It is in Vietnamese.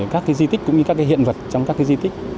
các di tích cũng như các hiện vật trong các di tích